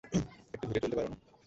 একটু ধীরে চলতে পারো না?